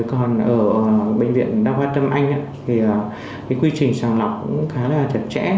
còn ở bệnh viện đa hoa tâm anh thì quy trình sàng lọc cũng khá là chật chẽ